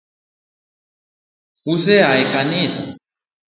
Use a e kanisa